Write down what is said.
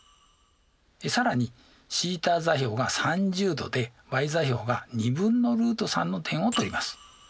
更にθ座標が３０°でｙ座標が２分のルート３の点を取ります。